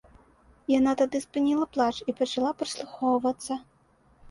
Яна тады спыніла плач і пачала прыслухоўвацца.